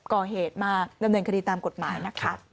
ก่อเหตุมาดำเนินคดีตามกฎหมายนะคะ